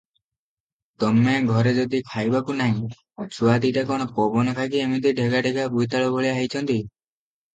ତମେ ଘରେ ଯଦି ଖାଇବାକୁ ନାହିଁ, ଛୁଆ ଦିଟା କଣ ପବନ ଖାଇକି ଏମିତି ଢ଼େଗା ଢ଼େଗା ବୋଇତାଳୁ ଭଳିଆ ହେଇଛନ୍ତି?